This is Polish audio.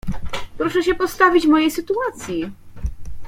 "Proszę się postawić w mojej sytuacji."